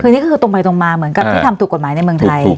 คือนี่ก็คือตรงไปตรงมาเหมือนกับที่ทำถูกกฎหมายในเมืองไทย